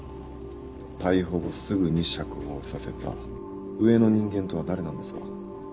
逮捕後すぐに釈放させた上の人間とは誰なんですか？